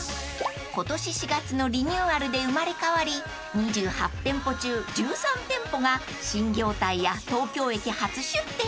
［今年４月のリニューアルで生まれ変わり２８店舗中１３店舗が新業態や東京駅初出店］